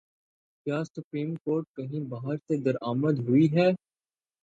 کیا supreme court کہیں باہر سے درآمد ہوئی ہے؟